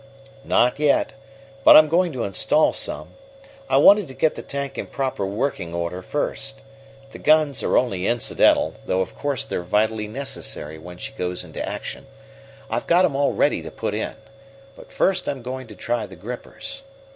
"Not yet. But I'm going to install some. I wanted to get the tank in proper working order first. The guns are only incidental, though of course they're vitally necessary when she goes into action. I've got 'em all ready to put in. But first I'm going to try the grippers."